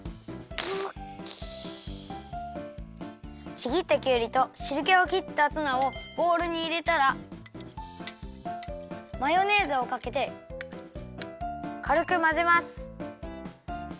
ちぎったきゅうりとしるけをきったツナをボウルにいれたらマヨネーズをかけてかるくまぜます。